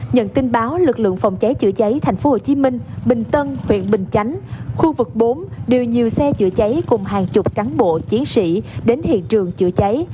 nhận tin báo lực lượng phòng cháy chữa cháy tp hcm bình tân huyện bình chánh khu vực bốn điều nhiều xe chữa cháy cùng hàng chục cán bộ chiến sĩ đến hiện trường chữa cháy